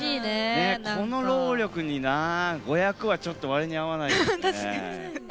この労力に５００はちょっと割に合わないですね。